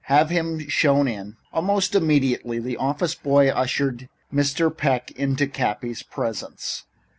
"Have him shown in." Almost immediately the office boy ushered Mr. Peck into Cappy's presence.